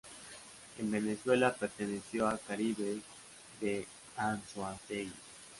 En Venezuela perteneció a Caribes de Anzoátegui.